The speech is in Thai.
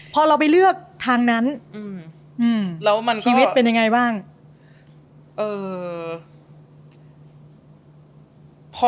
พอเราไปเลือกทางนั้นชีวิตเป็นยังไงบ้างแล้วมันก็เอ่อ